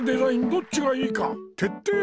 どっちがいいかてっていとうろん。